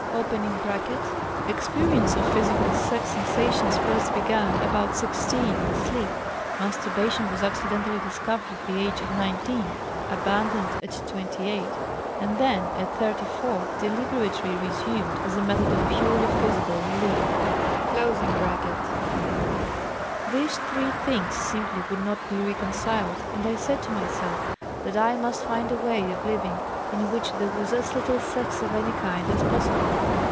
[Experience of physical sex sensations first began about 16 in sleep; masturbation was accidentally discovered at the age of 19, abandoned at 28, and then at 34 deliberately resumed as a method of purely physical relief.] These three things simply would not be reconciled and I said to myself that I must find a way of living in which there was as little sex of any kind as possible.